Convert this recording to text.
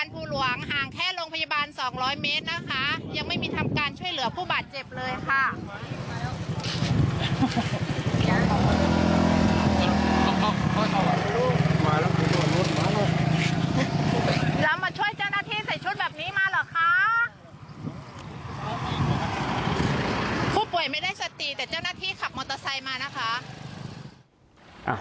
ผู้ป่วยไม่ได้สติแต่เจ้าหน้าที่ขับมอเตอร์ไซค์มานะคะ